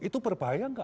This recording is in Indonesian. itu berbahaya nggak